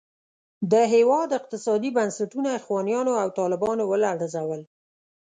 د هېواد اقتصادي بنسټونه اخوانیانو او طالبانو ولړزول.